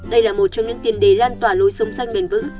đây là một trong những tiền đề lan tỏa lối sống xanh bền vững